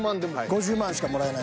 ５０万しかもらえない。